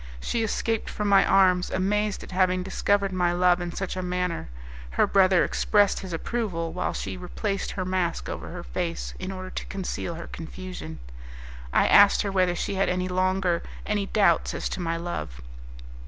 She escaped from my arms, amazed at having discovered my love in such a manner. Her brother expressed his approval, while she replaced her mask over her face, in order to conceal her confusion. I asked her whether she had any longer any doubts as to my love.